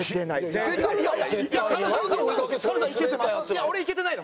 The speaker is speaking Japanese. いや俺行けてないの。